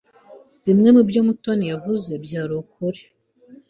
Bimwe mubyo Mutoni yavuze byari ukuri.